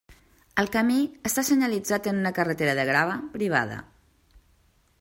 El camí està senyalitzat en una carretera de grava privada.